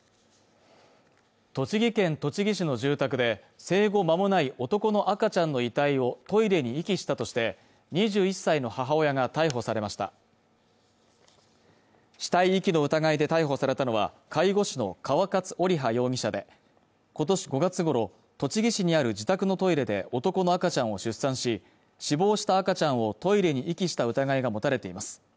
栃木県栃木市の住宅で生後まもない男の赤ちゃんの遺体をトイレに遺棄したとして２１歳の母親が逮捕されました死体遺棄の疑いで逮捕されたのは介護士の川勝織羽容疑者で今年５月ごろ栃木市にある自宅のトイレで男の赤ちゃんを出産し死亡した赤ちゃんをトイレに遺棄した疑いが持たれています